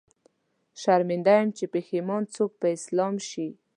شرمنده يم، چې پښېمان څوک په اسلام شي